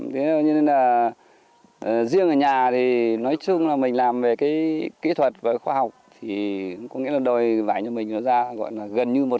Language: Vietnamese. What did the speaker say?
thế nên là riêng ở nhà thì nói chung là mình làm về cái kỹ thuật và khoa học thì có nghĩa là đòi vải cho mình nó ra gần như một trăm linh